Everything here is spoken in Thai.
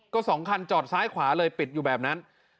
ก็๒คันจอดซ้ายขวาเลยปิดอยู่แบบนั้น